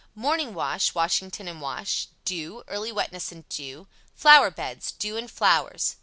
Morning wash Washington and wash. Dew Early wetness and dew. Flower beds Dew and flowers.